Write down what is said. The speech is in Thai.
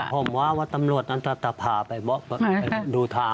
ผมว่าว่าตำรวจนั้นจะพาไปดูทาง